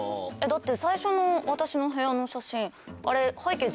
だって最初の私の部屋の写真あれ背景